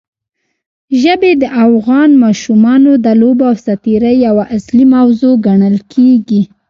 ژبې د افغان ماشومانو د لوبو او ساتېرۍ یوه اصلي موضوع ګڼل کېږي.